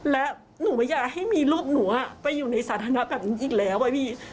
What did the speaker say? และหนูไม่อยากให้มีลูกหนัวไปอยู่ในสาธารณะแบบนี้อีกแล้ว